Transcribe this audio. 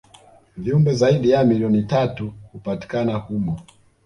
viumbe zaidi ya milioni tatu hupatikana humo